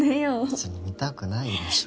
別に見たくないでしょ